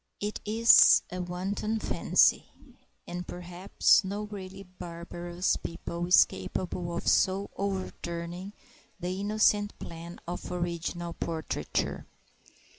It is a wanton fancy; and perhaps no really barbarous people is capable of so overturning the innocent plan of original portraiture.